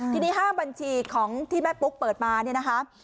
ทีนี้๕บัญชีของที่แม่ปุ๊กเปิดมาเนี่ยนะคะ